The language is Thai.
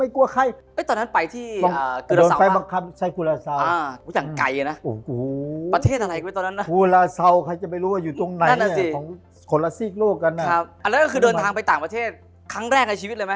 นั่นก็คือเดินทางไปต่างประเทศครั้งแรกในชีวิตเลยไหม